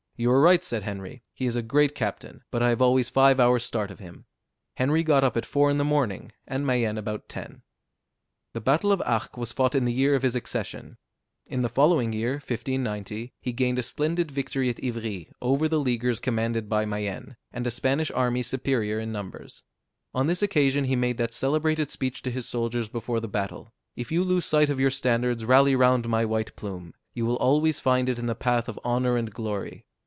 "You are right," said Henry, "he is a great captain, but I have always five hours' start of him." Henry got up at four in the morning, and Mayenne about ten. The battle of Arques was fought in the year of his accession. In the following year, 1590, he gained a splendid victory at Ivri, over the Leaguers commanded by Mayenne, and a Spanish army superior in numbers. On this occasion he made that celebrated speech to his soldiers before the battle: "If you lose sight of your standards, rally round my white plume; you will always find it in the path of honor and glory."